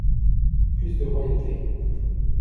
Plus de royauté!